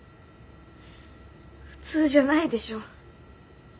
普通じゃないでしょ。